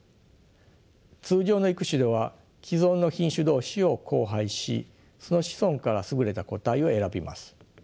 通常の育種では既存の品種同士を交配しその子孫から優れた個体を選びます。